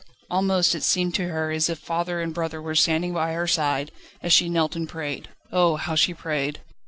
Almost it seemed to her as if father and brother were standing by her side, as she knelt and prayed. Oh! how she prayed!